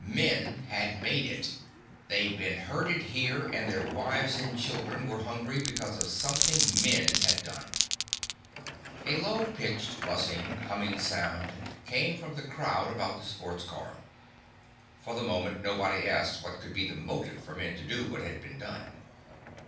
Men had made it! They'd been herded here and their wives and children were hungry because of something men had done! A low pitched, buzzing, humming sound came from the crowd about the sports car. For the moment, nobody asked what could be the motive for men to do what had been done.